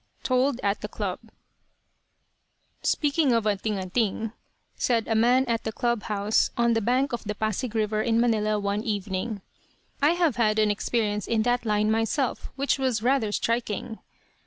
TOLD AT THE CLUB "Speaking of 'anting anting,'" said a man at the club House on the bank of the Pasig river, in Manila, one evening, "I have had an experience in that line myself which was rather striking."